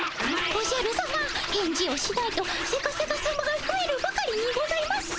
おじゃるさま返事をしないとセカセカさまがふえるばかりにございます。